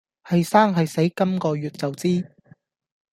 係生係死今個月就知